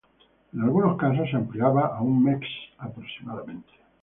En algunos casos, se ampliaba a un mes aproximadamente.